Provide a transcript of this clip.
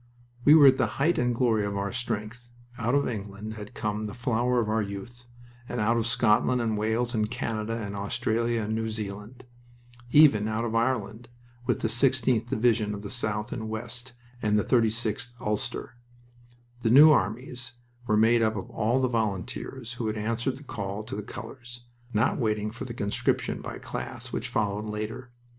We were at the height and glory of our strength. Out of England had come the flower of our youth, and out of Scotland and Wales and Canada and Australia and New Zealand. Even out of Ireland, with the 16th Division of the south and west, and the 36th of Ulster. The New Armies were made up of all the volunteers who had answered the call to the colors, not waiting for the conscription by class, which followed later.